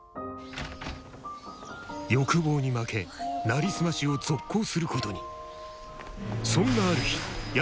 欲望に負けなりすましを続行することに。